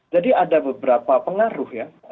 jadi ada beberapa pengaruh ya